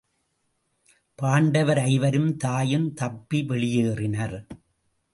பாண்டவர் ஐவரும் தாயும் தப்பி வெளியேறினர்.